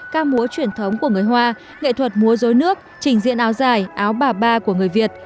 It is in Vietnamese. ca múa truyền thống của người hoa nghệ thuật múa dối nước trình diện áo dài áo bà ba của người việt